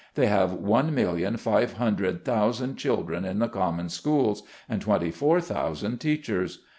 They have one million, five hundred thousand children in the common schools, and twenty four thousand teachers.